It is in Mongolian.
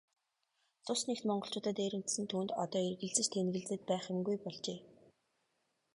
Цус нэгт монголчуудаа дээрэмдсэн түүнд одоо эргэлзэж тээнэгэлзээд байх юмгүй болжээ.